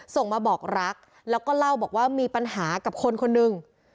ส่งมาบอกรักแล้วก็เล่าบอกว่ามีปัญหากับคนคนหนึ่ง